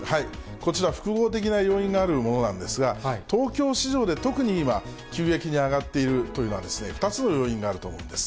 こちら、複合的な要因があるものなんですが、東京市場で特に今、急激に上がっているというのはですね、２つの要因があると思うんです。